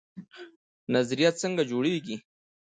نظریه څنګه جوړیږي؟